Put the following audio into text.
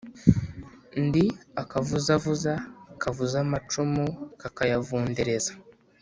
Ndi akavuzavuza, kavuza amacumu kakayavundereza,